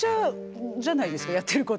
やってること。